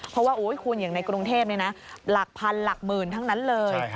เพราะว่าคุณอย่างในกรุงเทพหลักพันหลักหมื่นทั้งนั้นเลย